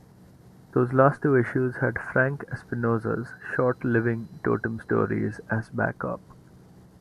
Those last two issues had Frank Espinosa's short Living Totem stories as back up.